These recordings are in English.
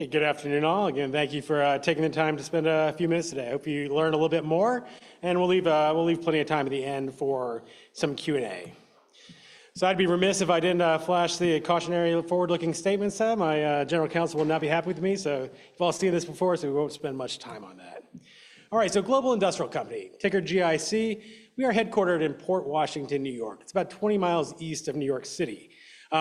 Good afternoon, all. Again, thank you for taking the time to spend a few minutes today. I hope you learn a little bit more, and we'll leave plenty of time at the end for some Q&A. So I'd be remiss if I didn't flash the cautionary forward-looking statements there. My general counsel will not be happy with me, so you've all seen this before, so we won't spend much time on that. All right, so Global Industrial Company, ticker GIC, we are headquartered in Port Washington, New York. It's about 20 miles east of New York City.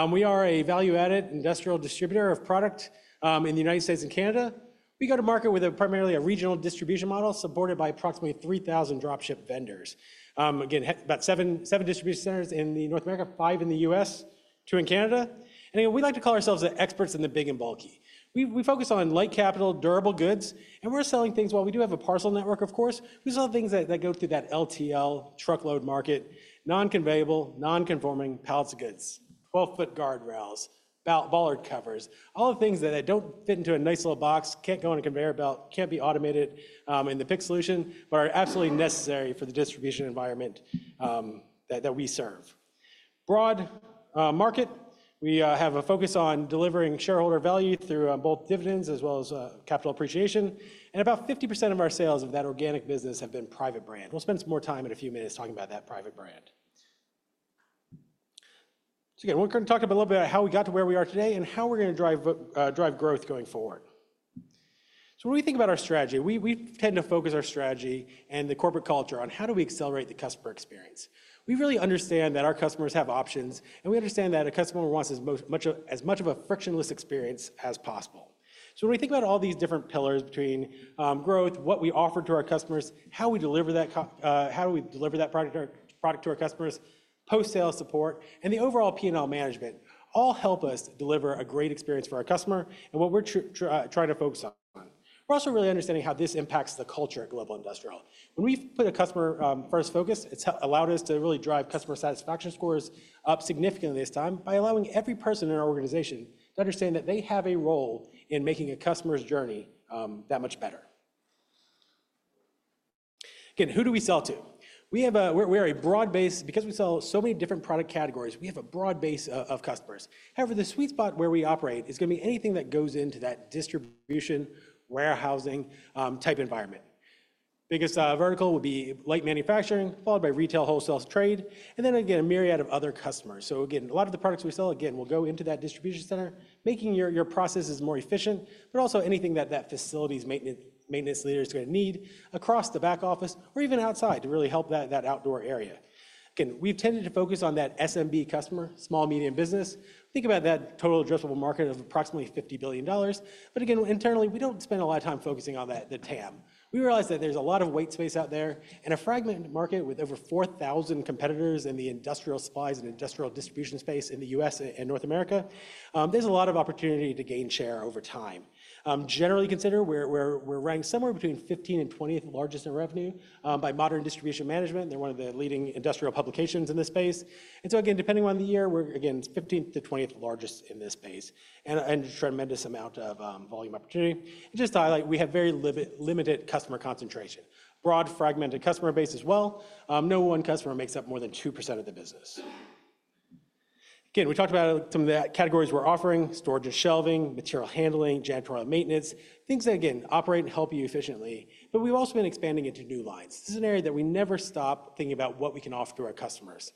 We are a value-added industrial distributor of product in the United States and Canada. We go to market with primarily a regional distribution model supported by approximately 3,000 dropship vendors. Again, about seven distribution centers in North America, five in the U.S., two in Canada. We like to call ourselves the experts in the big and bulky. We focus on light capital, durable goods, and we're selling things while we do have a parcel network, of course. We sell things that go through that LTL truckload market, non-conveyable, non-conforming pallets of goods, 12-foot guard rails, bollard covers, all the things that don't fit into a nice little box, can't go in a conveyor belt, can't be automated in the pick solution, but are absolutely necessary for the distribution environment that we serve. Broad market, we have a focus on delivering shareholder value through both dividends as well as capital appreciation. About 50% of our sales of that organic business have been private brand. We'll spend some more time in a few minutes talking about that private brand. So again, we're going to talk a little bit about how we got to where we are today and how we're going to drive growth going forward. So when we think about our strategy, we tend to focus our strategy and the corporate culture on how do we accelerate the customer experience. We really understand that our customers have options, and we understand that a customer wants as much of a frictionless experience as possible. So when we think about all these different pillars between growth, what we offer to our customers, how we deliver that, how do we deliver that product to our customers, post-sale support, and the overall P&L management, all help us deliver a great experience for our customer and what we're trying to focus on. We're also really understanding how this impacts the culture at Global Industrial Company. When we put a customer-first focus, it's allowed us to really drive customer satisfaction scores up significantly this time by allowing every person in our organization to understand that they have a role in making a customer's journey that much better. Again, who do we sell to? We are a broad-based, because we sell so many different product categories, we have a broad base of customers. However, the sweet spot where we operate is going to be anything that goes into that distribution warehousing type environment. Biggest vertical would be light manufacturing, followed by retail, wholesale, trade, and then again, a myriad of other customers. So again, a lot of the products we sell, again, will go into that distribution center, making your processes more efficient, but also anything that that facility's maintenance leaders are going to need across the back office or even outside to really help that outdoor area. Again, we've tended to focus on that SMB customer, small, medium business. Think about that total addressable market of approximately $50 billion. But again, internally, we don't spend a lot of time focusing on the TAM. We realize that there's a lot of white space out there and a fragmented market with over 4,000 competitors in the industrial supplies and industrial distribution space in the U.S. and North America. There's a lot of opportunity to gain share over time. Generally considered, we're ranked somewhere between 15th and 20th largest in revenue by Modern Distribution Management. They're one of the leading industrial publications in this space. And so again, depending on the year, we're again 15th to 20th largest in this space and a tremendous amount of volume opportunity. And just to highlight, we have very limited customer concentration, broad, fragmented customer base as well. No one customer makes up more than 2% of the business. Again, we talked about some of the categories we're offering: storage and shelving, material handling, janitorial maintenance, things that, again, operate and help you efficiently. But we've also been expanding into new lines. This is an area that we never stop thinking about what we can offer to our customers.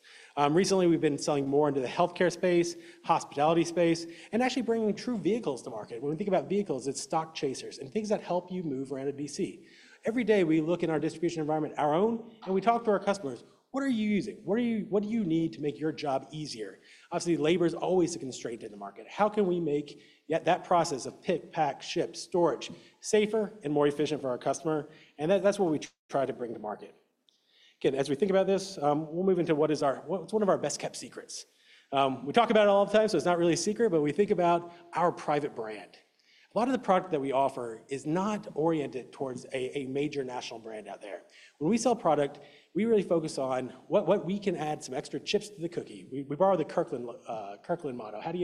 Recently, we've been selling more into the Healthcare space, Hospitality space, and actually bringing true vehicles to market. When we think about vehicles, it's stock chasers and things that help you move around in DC. Every day we look in our distribution environment, our own, and we talk to our customers, "What are you using? What do you need to make your job easier?" Obviously, labor is always a constraint in the market. How can we make that process of pick, pack, ship, storage safer and more efficient for our customer? And that's what we try to bring to market. Again, as we think about this, we'll move into what's one of our best-kept secrets. We talk about it all the time, so it's not really a secret, but we think about our private brand. A lot of the product that we offer is not oriented towards a major national brand out there. When we sell product, we really focus on what we can add some extra chips to the cookie. We borrow the Kirkland motto, "How do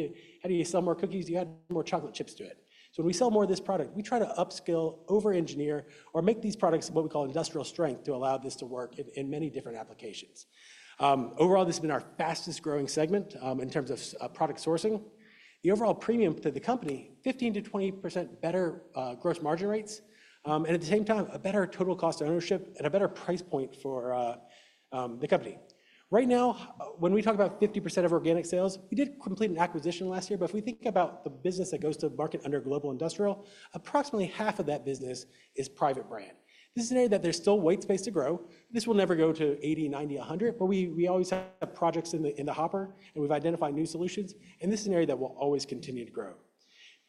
you sell more cookies? You add more chocolate chips to it, so when we sell more of this product, we try to upskill, over-engineer, or make these products what we call industrial strength to allow this to work in many different applications. Overall, this has been our fastest-growing segment in terms of product sourcing. The overall premium to the company, 15%-20% better gross margin rates, and at the same time, a better total cost of ownership and a better price point for the company. Right now, when we talk about 50% of organic sales, we did complete an acquisition last year, but if we think about the business that goes to market under Global Industrial, approximately half of that business is private brand. This is an area that there's still white space to grow. This will never go to 80, 90, 100, but we always have projects in the hopper, and we've identified new solutions, and this is an area that will always continue to grow.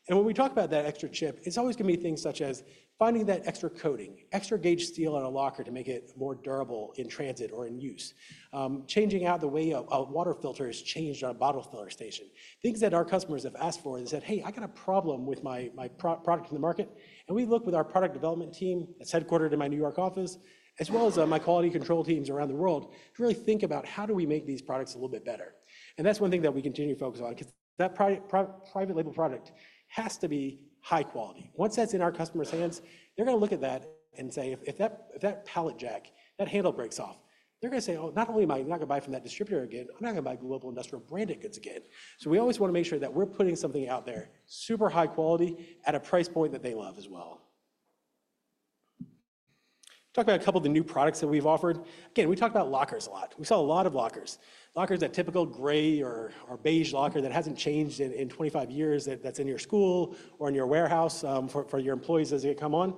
And when we talk about that extra chip, it's always going to be things such as finding that extra coating, extra gauge steel on a locker to make it more durable in transit or in use, changing out the way a water filter is changed on a bottle filler station. Things that our customers have asked for and said, "Hey, I got a problem with my product in the market." And we look with our product development team that's headquartered in my New York office, as well as my quality control teams around the world, to really think about how do we make these products a little bit better. That's one thing that we continue to focus on because that private label product has to be high quality. Once that's in our customer's hands, they're going to look at that and say, "If that pallet jack, that handle breaks off, they're going to say, 'Oh, not only am I not going to buy from that distributor again, I'm not going to buy Global Industrial branded goods again.'" So we always want to make sure that we're putting something out there super high quality at a price point that they love as well. Talk about a couple of the new products that we've offered. Again, we talk about lockers a lot. We sell a lot of lockers. Lockers, that typical gray or beige locker that hasn't changed in 25 years that's in your school or in your warehouse for your employees as they come on.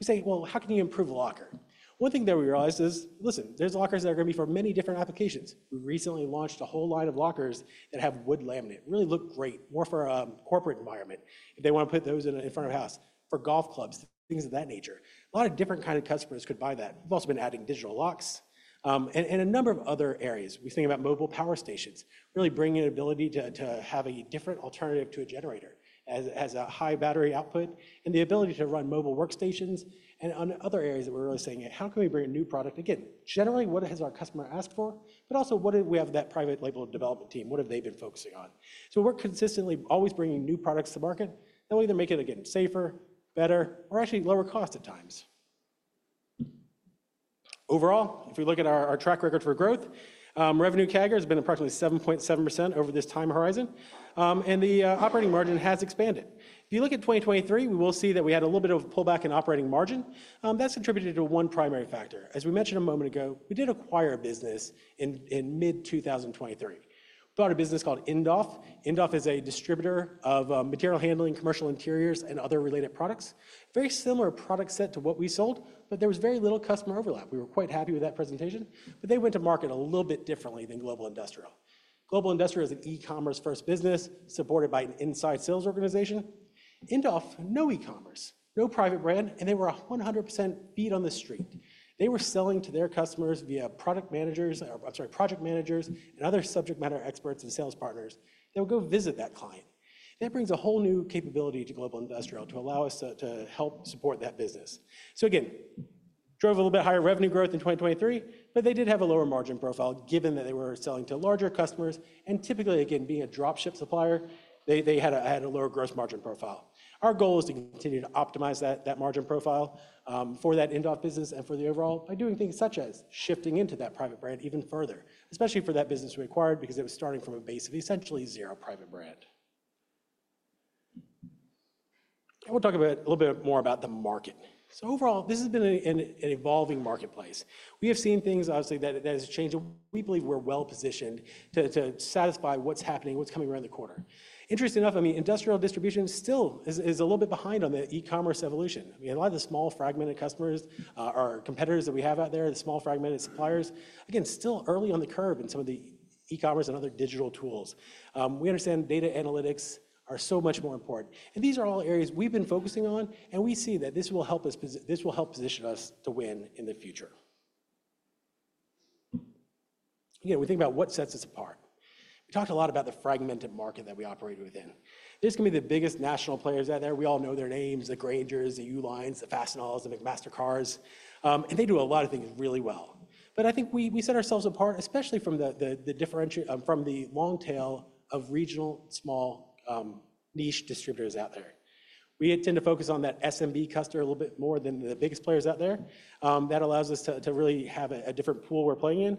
We say, "Well, how can you improve a locker?" One thing that we realized is, listen, there's lockers that are going to be for many different applications. We recently launched a whole line of lockers that have wood laminate. Really look great, more for a corporate environment. If they want to put those in front of a house, for golf clubs, things of that nature. A lot of different kinds of customers could buy that. We've also been adding digital locks and a number of other areas. We think about mobile power stations, really bringing the ability to have a different alternative to a generator as a high battery output and the ability to run mobile workstations. And on other areas that we're really saying, "How can we bring a new product?" Again, generally, what has our customer asked for, but also what do we have that private label development team, what have they been focusing on? So we're consistently always bringing new products to market that will either make it, again, safer, better, or actually lower cost at times. Overall, if we look at our track record for growth, revenue CAGR has been approximately 7.7% over this time horizon, and the operating margin has expanded. If you look at 2023, we will see that we had a little bit of a pullback in operating margin. That's contributed to one primary factor. As we mentioned a moment ago, we did acquire a business in mid-2023. We bought a business called Indoff. Indoff is a distributor of material handling, commercial interiors, and other related products. Very similar product set to what we sold, but there was very little customer overlap. We were quite happy with that presentation, but they went to market a little bit differently than Global Industrial. Global Industrial is an e-commerce-first business supported by an inside sales organization. Indoff, no e-commerce, no private brand, and they were 100% feet on the street. They were selling to their customers via product managers, I'm sorry, project managers, and other subject matter experts and sales partners that would go visit that client. That brings a whole new capability to Global Industrial to allow us to help support that business. So again, drove a little bit higher revenue growth in 2023, but they did have a lower margin profile given that they were selling to larger customers. And typically, again, being a dropship supplier, they had a lower gross margin profile. Our goal is to continue to optimize that margin profile for that Indoff business and for the overall by doing things such as shifting into that private brand even further, especially for that business we acquired because it was starting from a basically zero private brand. I will talk a little bit more about the market. So overall, this has been an evolving marketplace. We have seen things, obviously, that have changed. We believe we're well positioned to satisfy what's happening, what's coming around the corner. Interesting enough, I mean, industrial distribution still is a little bit behind on the e-commerce evolution. I mean, a lot of the small fragmented customers, our competitors that we have out there, the small fragmented suppliers, again, still early on the curve in some of the e-commerce and other digital tools. We understand data analytics are so much more important. And these are all areas we've been focusing on, and we see that this will help us, this will help position us to win in the future. Again, we think about what sets us apart. We talked a lot about the fragmented market that we operate within. There's going to be the biggest national players out there. We all know their names, the Graingers, the Ulines, the Fastenals, the McMaster-Carrs. And they do a lot of things really well. But I think we set ourselves apart, especially from the long tail of regional small niche distributors out there. We tend to focus on that SMB customer a little bit more than the biggest players out there. That allows us to really have a different pool we're playing in.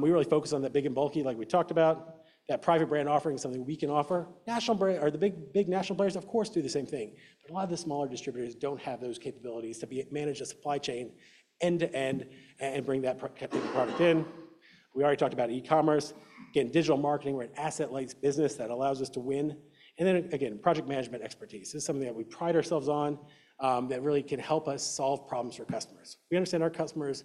We really focus on the big and bulky, like we talked about, that private brand offering something we can offer. The big national players, of course, do the same thing, but a lot of the smaller distributors don't have those capabilities to manage a supply chain end-to-end and bring that product in. We already talked about e-commerce. Again, digital marketing or an asset-light business that allows us to win. And then again, project management expertise is something that we pride ourselves on that really can help us solve problems for customers. We understand our customers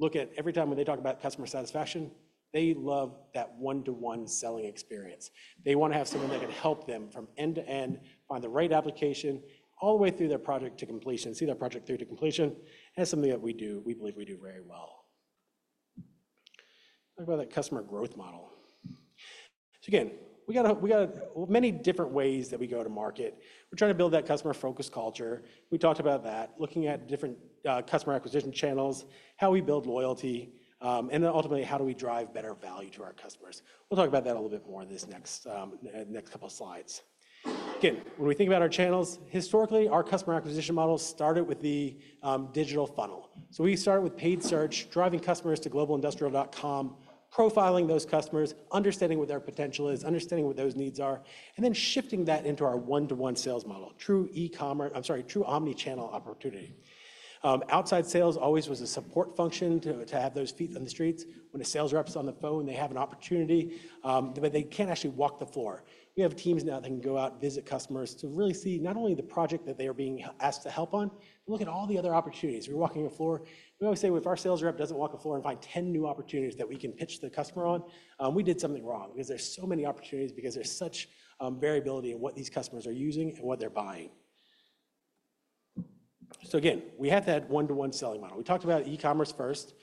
look at every time when they talk about customer satisfaction, they love that one-to-one selling experience. They want to have someone that can help them from end-to-end, find the right application, all the way through their project to completion, see their project through to completion. That's something that we do, we believe we do very well. Talk about that customer growth model. So again, we got many different ways that we go to market. We're trying to build that customer-focused culture. We talked about that, looking at different customer acquisition channels, how we build loyalty, and then ultimately, how do we drive better value to our customers. We'll talk about that a little bit more in this next couple of slides. Again, when we think about our channels, historically, our customer acquisition model started with the digital funnel. So we started with paid search, driving customers to globalindustrial.com, profiling those customers, understanding what their potential is, understanding what those needs are, and then shifting that into our one-to-one sales model, true e-commerce, I'm sorry, true omnichannel opportunity. Outside sales always was a support function to have those feet on the streets. When a sales rep's on the phone, they have an opportunity, but they can't actually walk the floor. We have teams now that can go out, visit customers to really see not only the project that they are being asked to help on, but look at all the other opportunities. We're walking the floor. We always say if our sales rep doesn't walk the floor and find 10 new opportunities that we can pitch the customer on, we did something wrong because there's so many opportunities, because there's such variability in what these customers are using and what they're buying, so again, we have that one-to-one selling model. We talked about e-commerce first.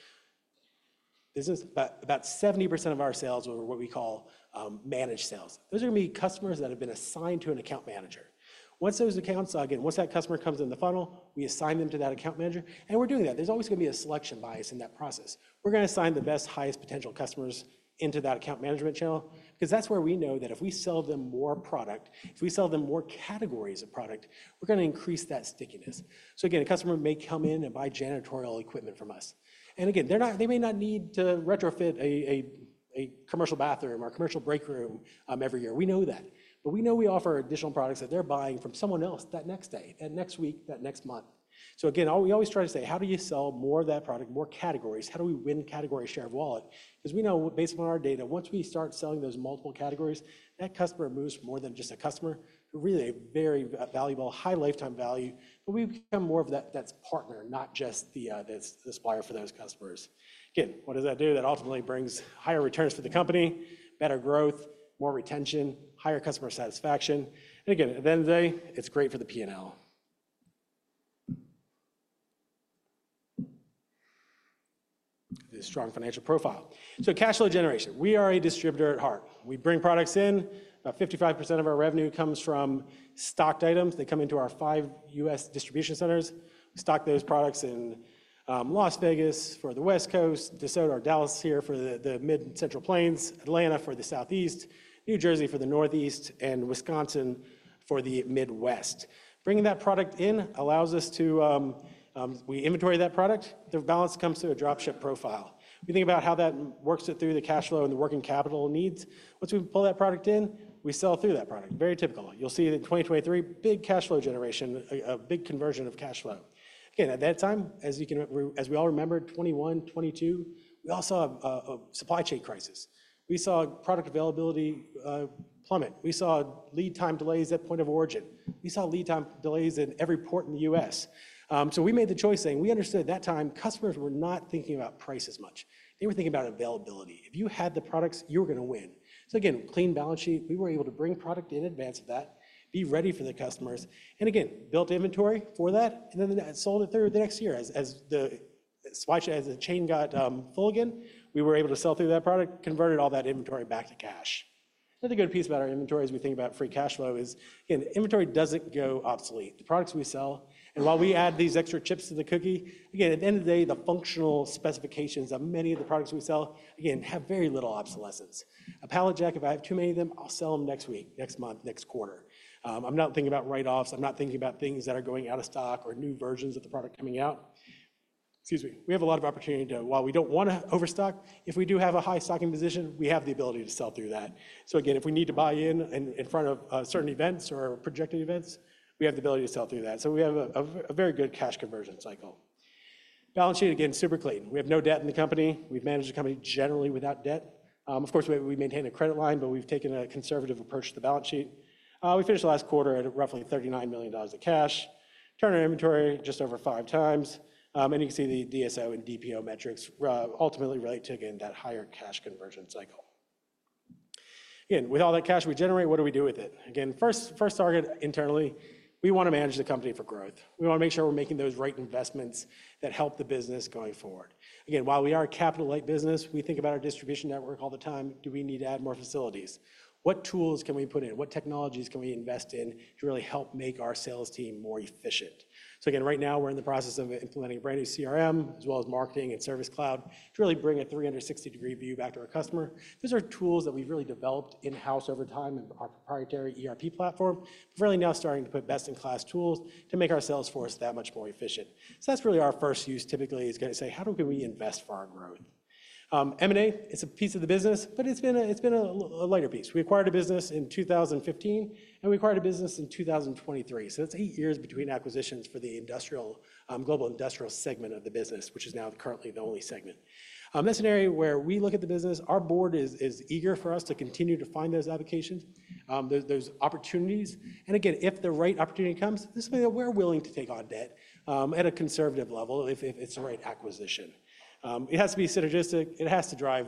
This is about 70% of our sales were what we call managed sales. Those are going to be customers that have been assigned to an account manager. Once those accounts, again, once that customer comes in the funnel, we assign them to that account manager, and we're doing that. There's always going to be a selection bias in that process. We're going to assign the best, highest potential customers into that account management channel because that's where we know that if we sell them more product, if we sell them more categories of product, we're going to increase that stickiness. So again, a customer may come in and buy janitorial equipment from us. And again, they may not need to retrofit a commercial bathroom or commercial break room every year. We know that. But we know we offer additional products that they're buying from someone else that next day, that next week, that next month. So again, we always try to say, how do you sell more of that product, more categories? How do we win category share of wallet? Because we know based upon our data, once we start selling those multiple categories, that customer moves from more than just a customer to really a very valuable, high lifetime value. But we become more of that partner, not just the supplier for those customers. Again, what does that do? That ultimately brings higher returns for the company, better growth, more retention, higher customer satisfaction. And again, at the end of the day, it's great for the P&L. The strong financial profile. So cash flow generation. We are a distributor at heart. We bring products in. About 55% of our revenue comes from stocked items. They come into our five U.S. distribution centers. We stock those products in Las Vegas for the West Coast, DeSoto or Dallas here for the Mid and Central Plains, Atlanta for the Southeast, New Jersey for the Northeast, and Wisconsin for the Midwest. Bringing that product in allows us to inventory that product. The balance comes through a dropship profile. We think about how that works through the cash flow and the working capital needs. Once we pull that product in, we sell through that product. Very typical. You'll see in 2023, big cash flow generation, a big conversion of cash flow. Again, at that time, as we all remember, 2021, 2022, we all saw a supply chain crisis. We saw product availability plummet. We saw lead time delays at point of origin. We saw lead time delays in every port in the U.S. So we made the choice saying we understood at that time customers were not thinking about price as much. They were thinking about availability. If you had the products, you were going to win. So again, clean balance sheet. We were able to bring product in advance of that, be ready for the customers, and again, built inventory for that, and then sold it through the next year. As the chain got full again, we were able to sell through that product, converted all that inventory back to cash. Another good piece about our inventory as we think about free cash flow is, again, inventory doesn't go obsolete. The products we sell, and while we add these extra chips to the cookie, again, at the end of the day, the functional specifications of many of the products we sell, again, have very little obsolescence. A pallet jack, if I have too many of them, I'll sell them next week, next month, next quarter. I'm not thinking about write-offs. I'm not thinking about things that are going out of stock or new versions of the product coming out. Excuse me. We have a lot of opportunity to, while we don't want to overstock, if we do have a high stocking position, we have the ability to sell through that. So again, if we need to buy in front of certain events or projected events, we have the ability to sell through that. So we have a very good cash conversion cycle. Balance sheet, again, super clean. We have no debt in the company. We've managed the company generally without debt. Of course, we maintain a credit line, but we've taken a conservative approach to the balance sheet. We finished the last quarter at roughly $39 million of cash, turned our inventory just over five times. And you can see the DSO and DPO metrics ultimately relate to, again, that higher cash conversion cycle. Again, with all that cash we generate, what do we do with it? Again, first target internally, we want to manage the company for growth. We want to make sure we're making those right investments that help the business going forward. Again, while we are a capital-light business, we think about our distribution network all the time. Do we need to add more facilities? What tools can we put in? What technologies can we invest in to really help make our sales team more efficient? So again, right now, we're in the process of implementing a brand new CRM, as well as Marketing and Service Cloud to really bring a 360-degree view back to our customer. Those are tools that we've really developed in-house over time in our proprietary ERP platform, but really now starting to put best-in-class tools to make our sales force that much more efficient. So that's really our first use typically is going to say, how do we invest for our growth? M&A, it's a piece of the business, but it's been a lighter piece. We acquired a business in 2015, and we acquired a business in 2023. So that's eight years between acquisitions for the Global Industrial segment of the business, which is now currently the only segment. That's an area where we look at the business. Our board is eager for us to continue to find those applications, those opportunities. And again, if the right opportunity comes, this is where we're willing to take on debt at a conservative level if it's the right acquisition. It has to be synergistic. It has to drive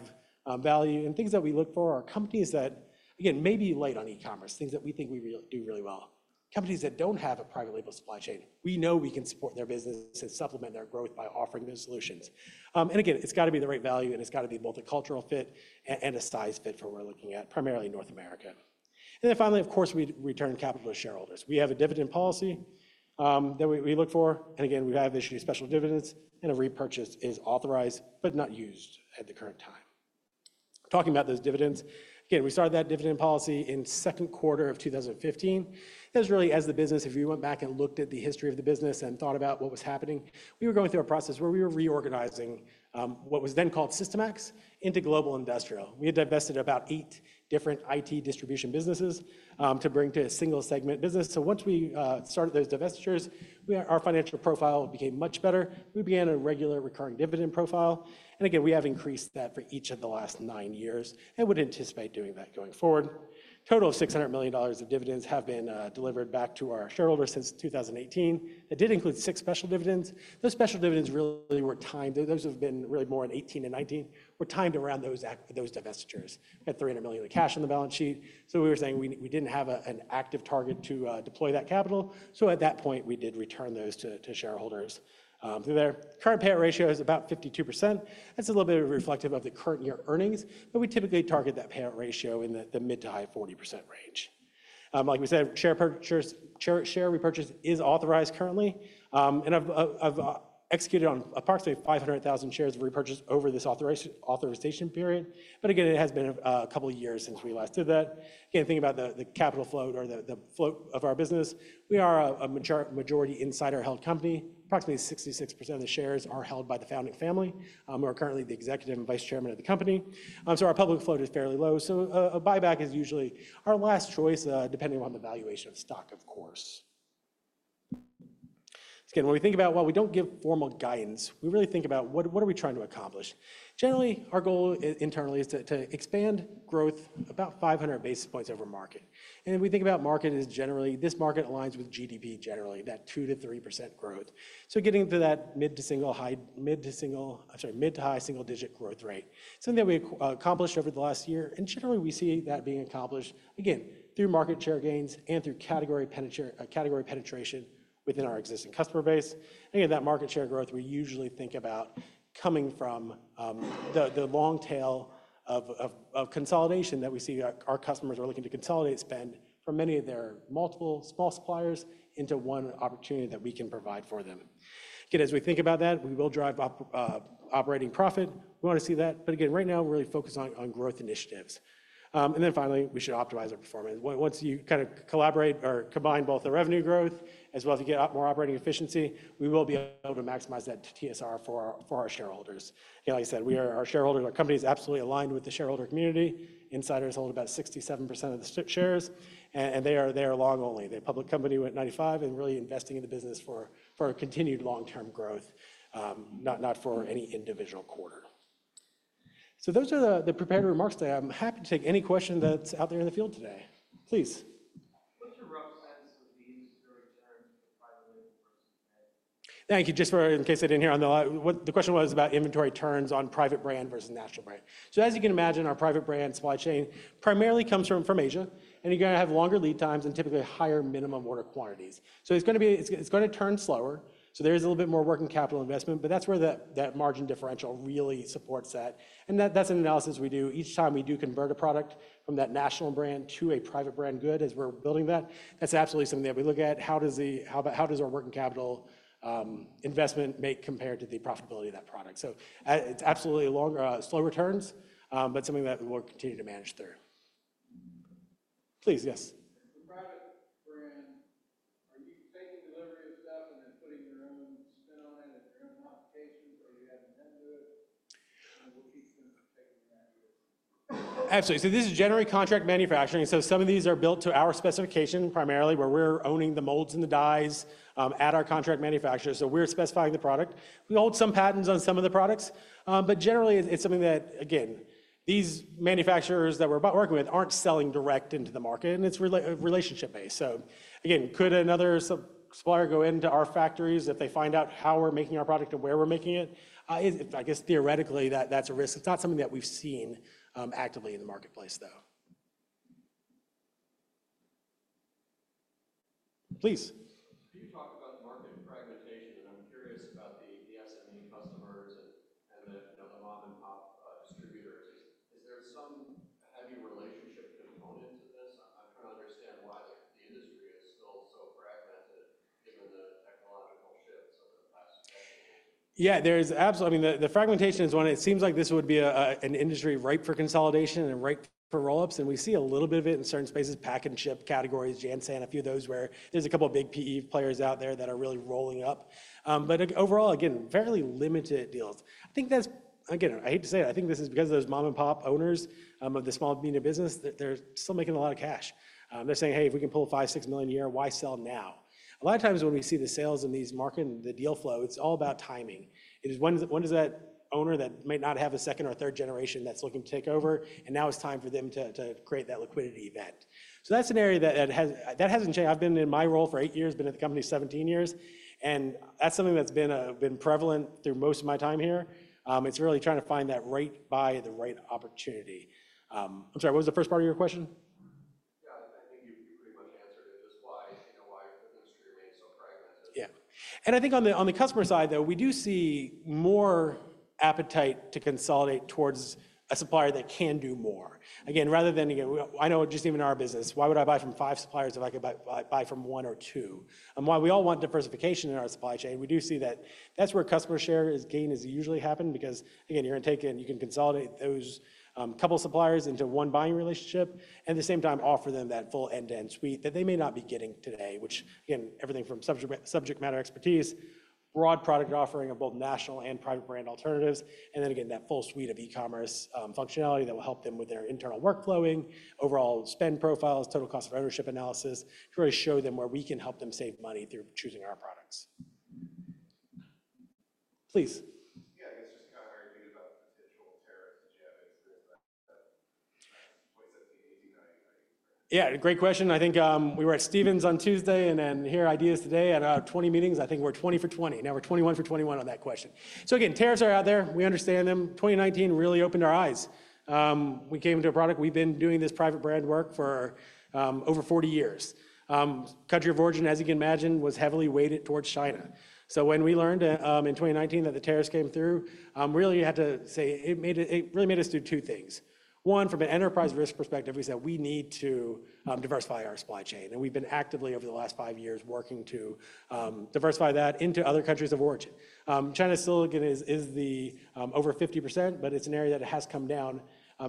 value. And things that we look for are companies that, again, may be light on e-commerce, things that we think we do really well. Companies that don't have a private label supply chain, we know we can support their business and supplement their growth by offering those solutions. And again, it's got to be the right value, and it's got to be both a cultural fit and a size fit for what we're looking at, primarily North America. And then finally, of course, we return capital to shareholders. We have a dividend policy that we look for. And again, we have issued special dividends, and a repurchase is authorized, but not used at the current time. Talking about those dividends, again, we started that dividend policy in second quarter of 2015. That was really as the business, if you went back and looked at the history of the business and thought about what was happening, we were going through a process where we were reorganizing what was then called Systemax into Global Industrial. We had divested about eight different IT distribution businesses to bring to a single segment business, so once we started those divestitures, our financial profile became much better. We began a regular recurring dividend profile, and again, we have increased that for each of the last nine years, and we'd anticipate doing that going forward. A total of $600 million of dividends have been delivered back to our shareholders since 2018. That did include six special dividends. Those special dividends really were timed. Those have been really more in 2018 and 2019. They were timed around those divestitures. We had $300 million of cash on the balance sheet, so we were saying we didn't have an active target to deploy that capital, so at that point, we did return those to shareholders. The current payout ratio is about 52%. That's a little bit reflective of the current year earnings, but we typically target that payout ratio in the mid- to high-40% range. Like we said, share repurchase is authorized currently. And I've executed on approximately 500,000 shares of repurchase over this authorization period. But again, it has been a couple of years since we last did that. Again, think about the capital float or the float of our business. We are a majority insider-held company. Approximately 66% of the shares are held by the founding family. We're currently the Executive and Vice Chairman of the company. So our public float is fairly low. So a buyback is usually our last choice, depending on the valuation of stock, of course. Again, when we think about why we don't give formal guidance, we really think about what are we trying to accomplish. Generally, our goal internally is to expand growth about 500 basis points over market. And we think about market as generally this market aligns with GDP generally, that 2%-3% growth. So getting to that mid to single high, mid to single, I'm sorry, mid to high single-digit growth rate, something that we accomplished over the last year. And generally, we see that being accomplished, again, through market share gains and through category penetration within our existing customer base. And again, that market share growth, we usually think about coming from the long tail of consolidation that we see our customers are looking to consolidate spend from many of their multiple small suppliers into one opportunity that we can provide for them. Again, as we think about that, we will drive operating profit. We want to see that. But again, right now, we're really focused on growth initiatives. Then finally, we should optimize our performance. Once you kind of collaborate or combine both the revenue growth as well as you get more operating efficiency, we will be able to maximize that TSR for our shareholders. Again, like I said, we are our shareholders, our company is absolutely aligned with the shareholder community. Insiders hold about 67% of the shares, and they are there long only. The public company went public in 1995 and really investing in the business for continued long-term growth, not for any individual quarter. So those are the prepared remarks today. I'm happy to take any question that's out there in the field today. Please. What's your rough sense of the inventory terms for private label versus manufactured? Thank you. Just in case I didn't hear on the line, the question was about inventory terms on private brand versus national brand. So as you can imagine, our private brand supply chain primarily comes from Asia, and you're going to have longer lead times and typically higher minimum order quantities. So it's going to turn slower. So there's a little bit more working capital investment, but that's where that margin differential really supports that. And that's an analysis we do each time we do convert a product from that national brand to a private brand good as we're building that. That's absolutely something that we look at. How does our working capital investment make compared to the profitability of that product? So it's absolutely slow returns, but something that we'll continue to manage through. Please, yes. The private brand, are you taking delivery of stuff and then putting your own spin on it and your own modifications, or do you have an end to it? And we'll keep taking that here. Absolutely. So this is generally contract manufacturing. So some of these are built to our specification primarily, where we're owning the molds and the dies at our contract manufacturer. So we're specifying the product. We hold some patents on some of the products. But generally, it's something that, again, these manufacturers that we're about working with aren't selling direct into the market, and it's relationship-based. So again, could another supplier go into our factories if they find out how we're making our product and where we're making it? I guess theoretically, that's a risk. It's not something that we've seen actively in the marketplace, though. Please. A lot of times when we see the sales in these markets and the deal flow, it's all about timing. It is when that owner that might not have a second or third generation that's looking to take over, and now it's time for them to create that liquidity event. So that's an area that hasn't changed. I've been in my role for eight years, been at the company 17 years, and that's something that's been prevalent through most of my time here. It's really trying to find that right buyer, the right opportunity. I'm sorry, what was the first part of your question? Yeah, I think you pretty much answered it. Just why the industry remains so fragmented. Yeah. And I think on the customer side, though, we do see more appetite to consolidate towards a supplier that can do more. Again, rather than, again, I know just even in our business, why would I buy from five suppliers if I could buy from one or two? And while we all want diversification in our supply chain, we do see that that's where customer share is gain is usually happening because, again, you're going to take and you can consolidate those couple of suppliers into one buying relationship and at the same time offer them that full end-to-end suite that they may not be getting today, which, again, everything from subject matter expertise, broad product offering of both national and private brand alternatives, and then, again, that full suite of e-commerce functionality that will help them with their internal workflowing, overall spend profiles, total cost of ownership analysis to really show them where we can help them save money through choosing our products. Please. Yeah, I guess just kind of hearing you about the potential tariffs that you have in. But 2017, 2018, 2019, are you? Yeah, great question. I think we were at Stephens on Tuesday and then here at IDEAS today at about 20 meetings. I think we're 20 for 20. Now we're 21 for 21 on that question. So again, tariffs are out there. We understand them. 2019 really opened our eyes. We came into a product. We've been doing this private brand work for over 40 years. Country of origin, as you can imagine, was heavily weighted towards China. So when we learned in 2019 that the tariffs came through, really had to say it really made us do two things. One, from an enterprise risk perspective, we said we need to diversify our supply chain. We've been actively over the last five years working to diversify that into other countries of origin. China still, again, is over 50%, but it's an area that has come down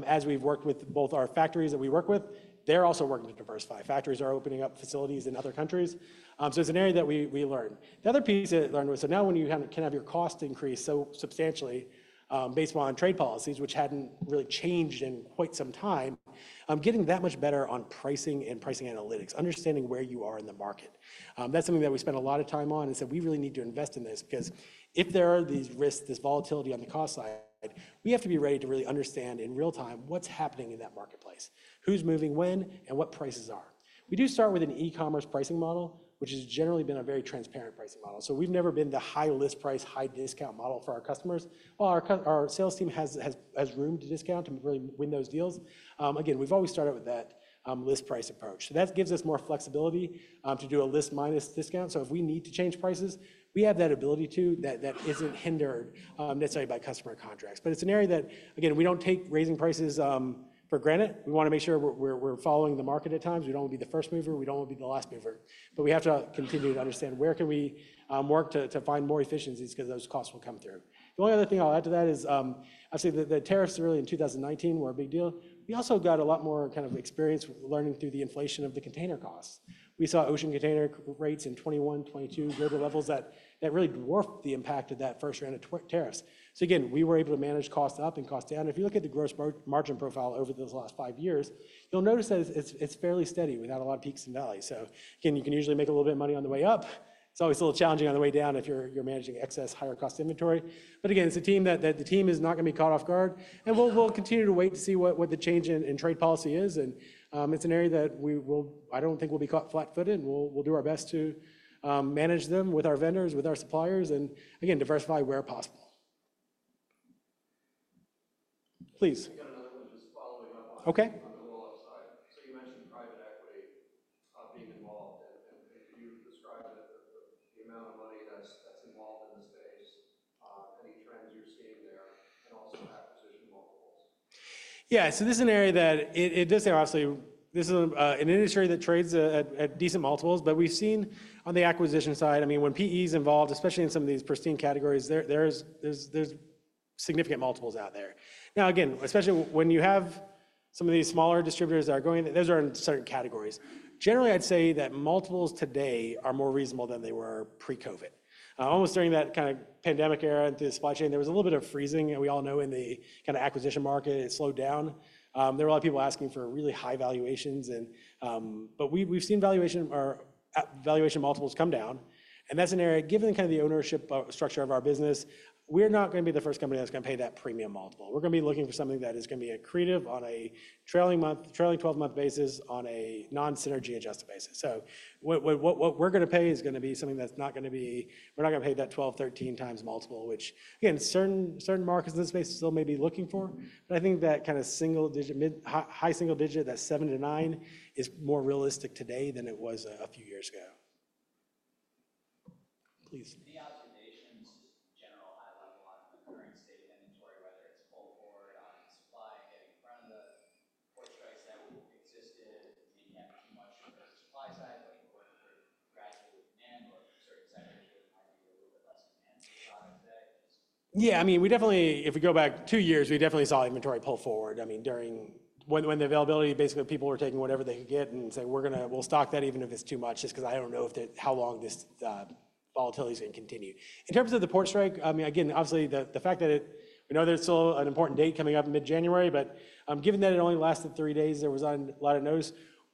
as we've worked with both our factories that we work with. They're also working to diversify. Factories are opening up facilities in other countries. It's an area that we learned. The other piece that we learned was so now when you can have your cost increase so substantially based upon trade policies, which hadn't really changed in quite some time, getting that much better on pricing and pricing analytics, understanding where you are in the market. That's something that we spent a lot of time on and said, "We really need to invest in this because if there are these risks, this volatility on the cost side, we have to be ready to really understand in real time what's happening in that marketplace, who's moving when, and what prices are." We do start with an e-commerce pricing model, which has generally been a very transparent pricing model. So we've never been the high list price, high discount model for our customers. While our sales team has room to discount and really win those deals, again, we've always started with that list price approach. So that gives us more flexibility to do a list minus discount. So if we need to change prices, we have that ability to that isn't hindered necessarily by customer contracts. But it's an area that, again, we don't take raising prices for granted. We want to make sure we're following the market at times. We don't want to be the first mover. We don't want to be the last mover. But we have to continue to understand where can we work to find more efficiencies because those costs will come through. The only other thing I'll add to that is, obviously, the tariffs really in 2019 were a big deal. We also got a lot more kind of experience learning through the inflation of the container costs. We saw ocean container rates in 2021, 2022, global levels that really dwarfed the impact of that first round of tariffs. So again, we were able to manage costs up and costs down. If you look at the gross margin profile over the last five years, you'll notice that it's fairly steady without a lot of peaks and valleys. So again, you can usually make a little bit of money on the way up. It's always a little challenging on the way down if you're managing excess higher cost inventory, but again, it's a team that is not going to be caught off guard, and we'll continue to wait to see what the change in trade policy is, and it's an area that I don't think we'll be caught flat-footed. We'll do our best to manage them with our vendors, with our suppliers, and again, diversify where possible. Please. I got another one just following up on the roll-up side, so you mentioned private equity being involved. Could you describe the amount of money that's involved in the space, any trends you're seeing there, and also acquisition multiples? Yeah, so this is an area that it does say, obviously, this is an industry that trades at decent multiples. But we've seen on the acquisition side, I mean, when PE is involved, especially in some of these pristine categories, there's significant multiples out there. Now, again, especially when you have some of these smaller distributors that are going, those are in certain categories. Generally, I'd say that multiples today are more reasonable than they were pre-COVID. Almost during that kind of pandemic era and through the supply chain, there was a little bit of freezing. We all know in the kind of acquisition market, it slowed down. There were a lot of people asking for really high valuations. But we've seen valuation multiples come down. That's an area, given kind of the ownership structure of our business, we're not going to be the first company that's going to pay that premium multiple. We're going to be looking for something that is going to be accretive on a trailing 12-month basis on a non-synergy adjusted basis. So what we're going to pay is going to be something that's not. We're not going to pay that 12-13 times multiple, which, again, certain markets in this space still may be looking for. But I think that kind of single digit, high single digit, that 7-9 is more realistic today than it was a few years ago. Please. Any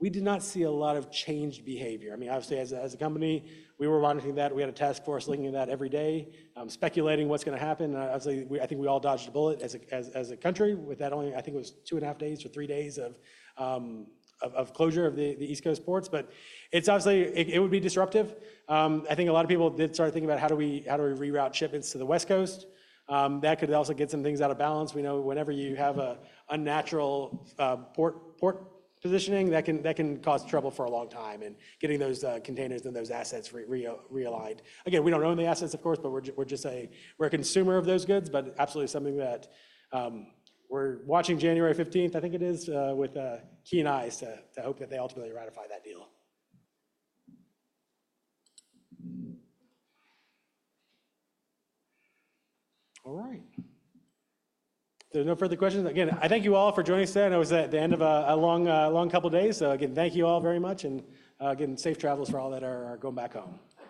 We did not see a lot of changed behavior. I mean, obviously, as a company, we were monitoring that. We had a task force looking at that every day, speculating what's going to happen. Obviously, I think we all dodged a bullet as a country with that only. I think it was two and a half days or three days of closure of the East Coast ports. But it's obviously it would be disruptive. I think a lot of people did start thinking about how do we reroute shipments to the West Coast. That could also get some things out of balance. We know whenever you have an unnatural port positioning, that can cause trouble for a long time in getting those containers and those assets realigned. Again, we don't own the assets, of course, but we're just a consumer of those goods, but absolutely something that we're watching January 15th, I think it is, with keen eyes to hope that they ultimately ratify that deal. All right. There's no further questions. Again, I thank you all for joining us today. I know it was at the end of a long couple of days. So again, thank you all very much. And again, safe travels for all that are going back home.